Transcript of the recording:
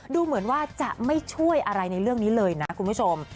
ดูเหมือนว่าจะไม่ช่วยอะไรในเรื่องนี้เลยนะคุณผู้ชม